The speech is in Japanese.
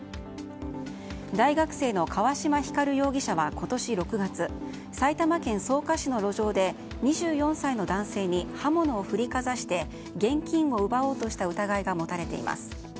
大学生の川島光容疑者は今年６月埼玉県草加市の路上で２４歳の男性に刃物を振りかざして現金を奪おうとした疑いが持たれています。